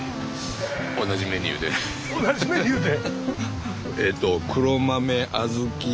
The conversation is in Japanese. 同じメニューで！